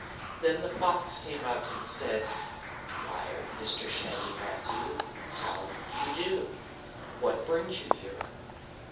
Then the fox came up and said: "Why, Mr Shaggy Matthew, how d'ye do? What brings you here?"